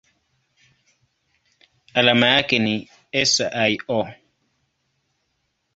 Alama yake ni SiO.